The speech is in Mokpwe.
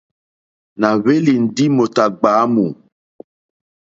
Nà hwélì ndí mòtà ɡbwǎmù.